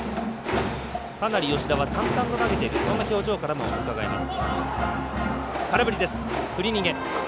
かなり吉田は淡々と投げているそんな表情からも伺えます。